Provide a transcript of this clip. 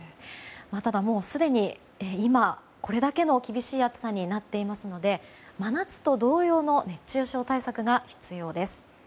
ただ、すでに今、これだけの厳しい暑さになっていますので真夏と同様の熱中症対策が必要です。